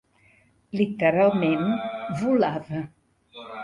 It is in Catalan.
Literalment volava.